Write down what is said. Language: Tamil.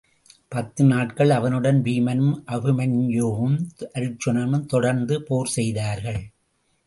பத்து நாட்கள் அவனுட ன் வீமனும், அபிமன்யுவும் அருச்சுனனும் தொடர்ந்து போர் செய்தார்கள்.